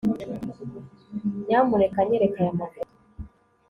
Nyamuneka nyereka aya mafoto